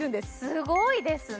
すごいですね